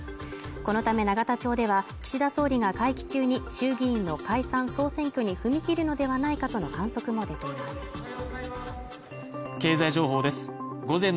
このため永田町では岸田総理が会期中に衆議院の解散総選挙に踏み切るのではないかとの観測も出ていますえ？